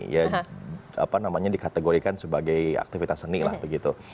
ya apa namanya dikategorikan sebagai aktivitas seni lah begitu